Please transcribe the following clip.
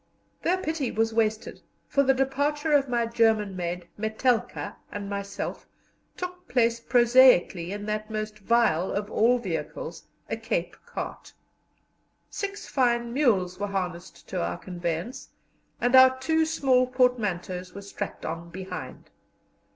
Their pity was wasted, for the departure of my German maid Metelka and myself took place prosaically in that most vile of all vehicles, a Cape cart. Six fine mules were harnessed to our conveyance, and our two small portmanteaus were strapped on behind.